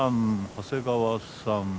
長谷川さん